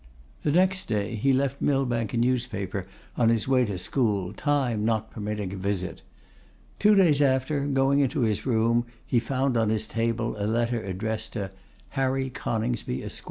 The next day he left Millbank a newspaper on his way to school, time not permitting a visit. Two days after, going into his room, he found on his table a letter addressed to 'Harry Coningsby, Esq.